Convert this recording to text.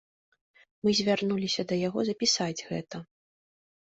Мы звярнуліся да яго запісаць гэта.